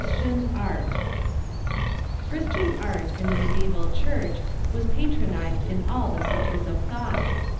] Christian art in the mediaeval Church was patronized in all the centres of thought.